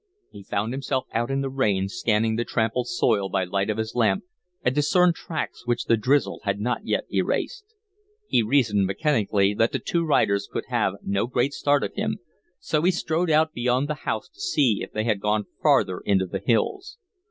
He found himself out in the rain, scanning the trampled soil by light of his lamp, and discerned tracks which the drizzle had not yet erased. He reasoned mechanically that the two riders could have no great start of him, so strode out beyond the house to see if they had gone farther into the hills.